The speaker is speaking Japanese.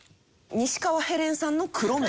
西川ヘレンさんの黒目。